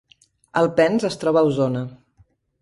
Alpens es troba a Osona